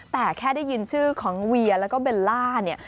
แต่แค่ได้ยินชื่อของเวียแล้วก็เบลล่าเนี่ย